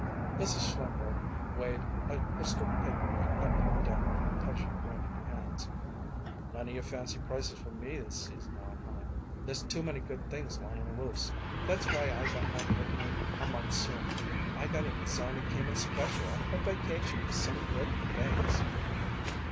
Mrs. Schlimberg weighed a crystal paper weight up and down in her pudgy, ringed hands. "None of your fancy prices for me this season, Arnheim. There's too many good things lyin' loose. That's why I got my openin' a month sooner. I got a designer came in special off her vacation with some good things."